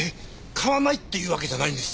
買わないっていうわけじゃないんです。